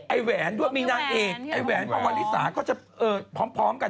แหวนด้วยมีนางเอกไอ้แหวนปวริสาก็จะพร้อมกัน